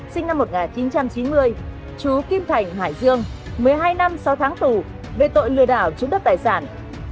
sinh năm một nghìn chín trăm chín mươi chú kim thành hải dương một mươi hai năm sáu tháng tù về tội lừa đảo chiếm đất tài sản